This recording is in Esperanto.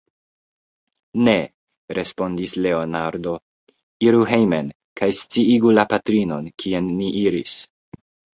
Ne, respondis Leonardo, iru hejmen kaj sciigu la patrinon, kien ni iris.